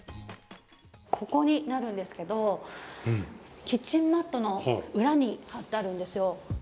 ここになるんですけどキッチンマットの裏に貼ってあるんですよ。